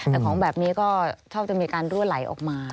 แต่ของแบบนี้ก็ชอบจะมีการรั่วไหลออกมา